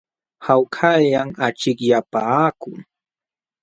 Hawkallam achikyapaakuu.